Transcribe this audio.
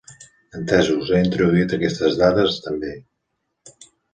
Entesos, he introduït aquestes dades també.